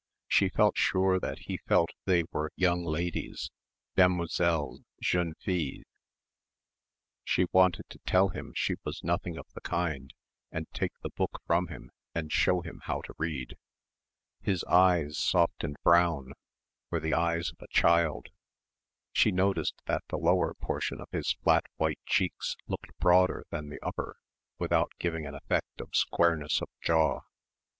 She felt sure that he felt they were "young ladies," "demoiselles," "jeunes filles." She wanted to tell him she was nothing of the kind and take the book from him and show him how to read. His eyes, soft and brown, were the eyes of a child. She noticed that the lower portion of his flat white cheeks looked broader than the upper without giving an effect of squareness of jaw.